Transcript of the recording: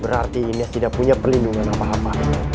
berarti ines tidak punya perlindungan apa apa